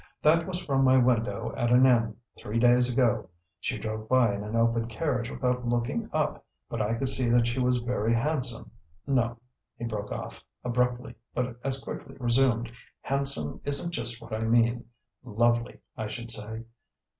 "That was from my window at an inn, three days ago. She drove by in an open carriage without looking up, but I could see that she was very handsome. No " he broke off abruptly, but as quickly resumed "handsome isn't just what I mean. Lovely, I should say.